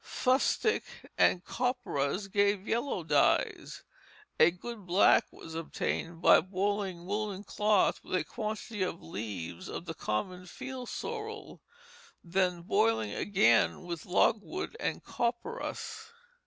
Fustic and copperas gave yellow dyes. A good black was obtained by boiling woollen cloth with a quantity of the leaves of the common field sorrel, then boiling again with logwood and copperas.